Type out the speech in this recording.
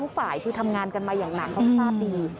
ฝ่ายคือทำงานกันมาอย่างหนักเขาทราบดี